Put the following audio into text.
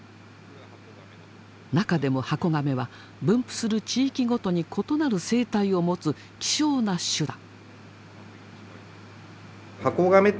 中でもハコガメは分布する地域ごとに異なる生態を持つ希少な種だ。